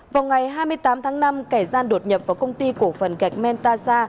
vào ngày hai mươi tám tháng năm kẻ gian đột nhập vào công ty cổ phần gạch menta